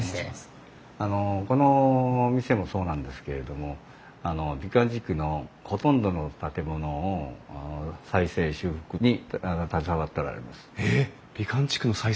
あのこの店もそうなんですけれども美観地区のほとんどの建物の再生・修復に携わっておられます。